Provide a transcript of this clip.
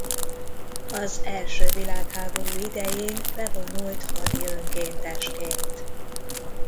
Az első világháború idején bevonult hadi önkéntesként.